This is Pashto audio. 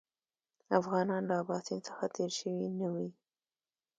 افغانان له اباسین څخه تېر شوي نه وي.